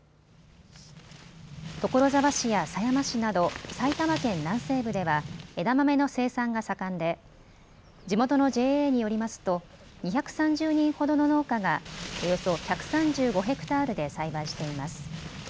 所沢市や狭山市など埼玉県南西部では枝豆の生産が盛んで地元のＪＡによりますと２３０人ほどの農家がおよそ１３５ｈａで栽培しています。